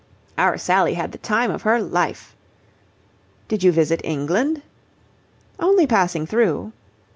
"Our Sally had the time of her life." "Did you visit England?" "Only passing through."